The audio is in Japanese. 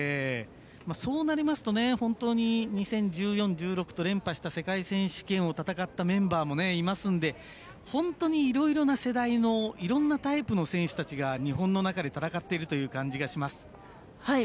そうなりますと本当に２０１４、２０１６と連覇した世界選手権を戦ったメンバーもいますので、本当にいろいろな世代のいろんなタイプの選手たちが日本の中で戦っている感じがします。